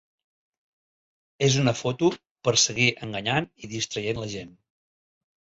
És una foto per seguir enganyant i distraient la gent.